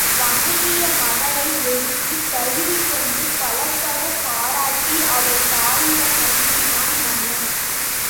வணங்கிய மகளை எழுப்பித் தழுவிக் கொண்டு பலபடப் பாராட்டி அவள் தாயினிடம் அனுப்பினான் மன்னன்.